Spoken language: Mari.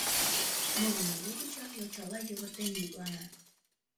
Мурымо лугычак йочала йывыртен йӱклана: